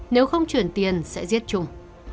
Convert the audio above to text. nếu không chuyển tiền sẽ giết trung